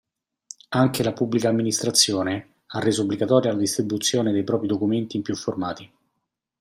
Anche la pubblica amministrazione ha reso obbligatoria la distribuzione dei propri documenti in più formati.